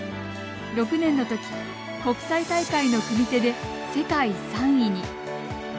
６年のとき、国際大会の組手で世界３位に。